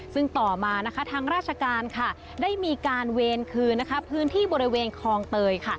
ซึ่งต่อมาทางราชการได้มีการเวรคืนพื้นที่บริเวณคลองเตย